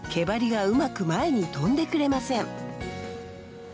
バリがうまく前に飛んでくれません。